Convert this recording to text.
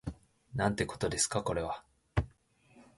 なんてことですかこれは